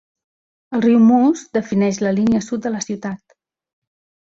El riu Moose defineix la línia sud de la ciutat.